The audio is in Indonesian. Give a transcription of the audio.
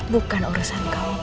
bukan urusan kamu